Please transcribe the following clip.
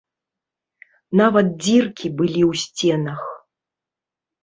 Нават дзіркі былі ў сценах.